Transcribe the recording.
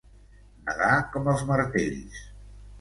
Nedar com els martells.